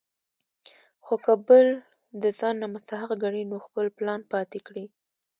خو کۀ بل د ځان نه مستحق ګڼي نو خپل پلان پاتې کړي ـ